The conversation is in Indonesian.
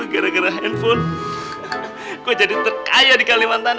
gara gara hp gua jadi terkaya di kalimantan